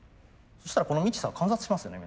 そしたらこのミキサー観察しますよね